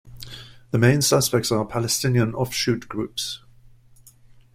The main suspects are Palestinian offshoot groups.